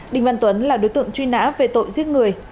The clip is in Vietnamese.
đinh văn tuấn là đối tượng truy nã về tội giết người